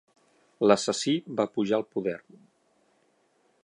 L'assassí va pujar al poder.